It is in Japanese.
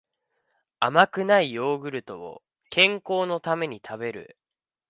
甘くないヨーグルトを健康のために食べる